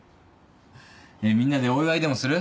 みんなでお祝いでもする？